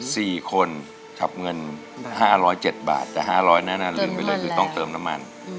มีคนทับเงิน๕๐๗บาทแต่๕๐๐น่าลืมไปเลยคือต้องเติมน้ำมัน